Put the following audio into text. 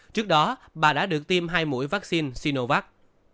trước đó bà đã được tiêm hai mũi vaccine sinovac